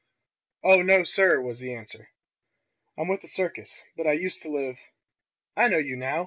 "Oh, no, sir," was the answer. "I'm with the circus. But I used to live " "I know you now!"